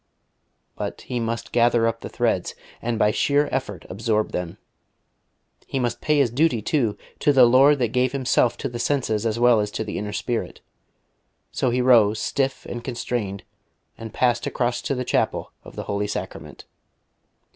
But he must gather up the threads, and by sheer effort absorb them. He must pay his duty, too, to the Lord that gave Himself to the senses as well as to the inner spirit. So he rose, stiff and constrained, and passed across to the Chapel of the Holy Sacrament.